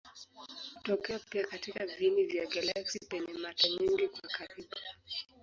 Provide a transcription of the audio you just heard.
Hutokea pia katika viini vya galaksi penye mata nyingi kwa karibu.